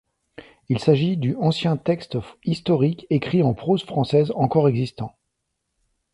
Il s'agit du ancien texte historique écrit en prose française encore existant.